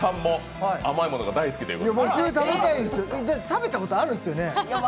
食べたことあるんですよね？